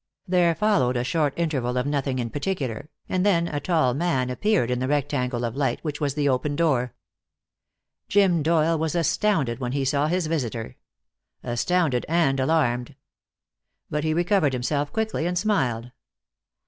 There followed a short interval of nothing in particular, and then a tall man appeared in the rectangle of light which was the open door. Jim Doyle was astounded when he saw his visitor. Astounded and alarmed. But he recovered himself quickly, and smiled.